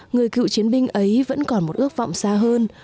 người cựu chiến binh ấy vẫn còn một ước vọng xa hơn